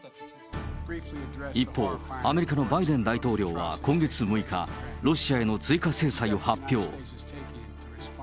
一方、アメリカのバイデン大統領は今月６日、ロシアへの追加制裁を発表。